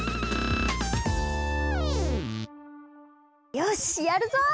よしやるぞ！